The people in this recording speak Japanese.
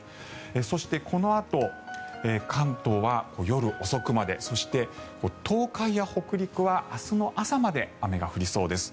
そして、このあと関東は夜遅くまでそして東海や北陸は明日の朝まで雨が降りそうです。